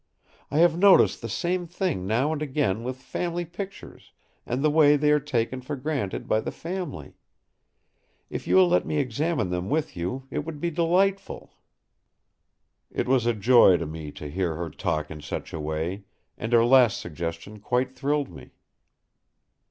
I have noticed the same thing now and again with family pictures, and the way they are taken for granted by the family. If you will let me examine them with you it will be delightful!" It was a joy to me to hear her talk in such a way; and her last suggestion quite thrilled me.